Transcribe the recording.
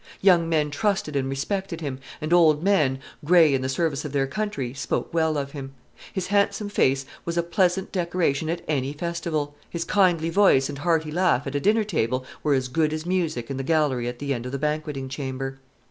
Young men trusted and respected him; and old men, gray in the service of their country, spoke well of him. His handsome face was a pleasant decoration at any festival; his kindly voice and hearty laugh at a dinner table were as good as music in the gallery at the end of the banqueting chamber.